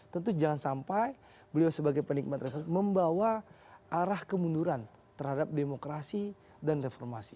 tentu jangan sampai beliau sebagai penikmat reformasi membawa arah kemunduran terhadap demokrasi dan reformasi